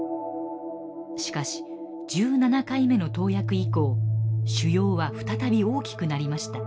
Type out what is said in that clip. しかし１７回目の投薬以降腫瘍は再び大きくなりました。